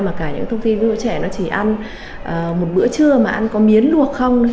mà cả những thông tin đưa trẻ nó chỉ ăn một bữa trưa mà ăn có miến luộc không